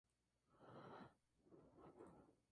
El cuerpo humano posee variados sistemas de control.